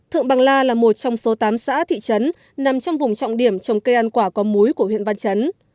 thượng bằng la là một trong số tám xã thị trấn nằm trong vùng trọng điểm trồng cây ăn quả có múi của huyện văn chấn